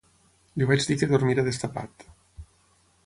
Li vaig dir que dormira destapat.